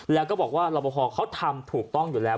แล้วก็บอกว่ารับประพอเขาทำถูกต้องอยู่แล้ว